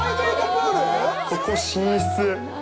ここ寝室？